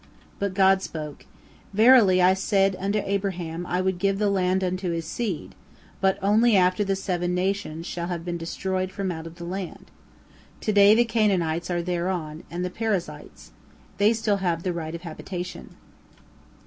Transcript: But God spoke: "Verily, I said unto Abraham I would give the land unto his seed, but only after the seven nations shall have been destroyed from out of the land. To day the Canaanites are therein, and the Perizzites. They still have the right of habitation."